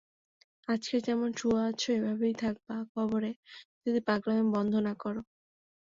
আজকে যেমনে শুয়া আছো, এইভাবেই থাকবা কবরে, যদি পাগলামি বন্ধ না করো।